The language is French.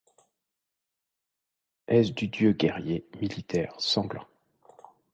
Est-ce du Dieu guerrier, militaire, sanglant